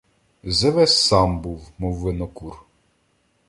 Зевес сам був, мов винокур.